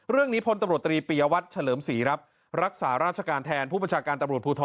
เรื่องนี้พตปียวัชร์